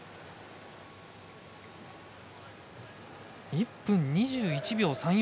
１分２１秒３４。